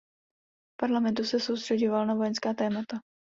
V parlamentu se soustřeďoval na vojenská témata.